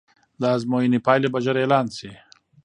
د ازموینې پایلې به ژر اعلان سي.